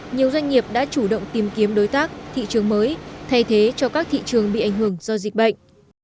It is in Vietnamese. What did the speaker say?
nhiều doanh nghiệp đã chủ động tìm kiếm đối tác thị trường mới thay thế cho các thị trường bị ảnh hưởng do dịch bệnh